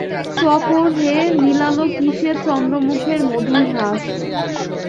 চকোর হে, মিলাল কি সে চন্দ্রমুখের মধুর হাস?